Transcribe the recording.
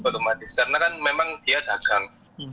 karena kan memang dia dagang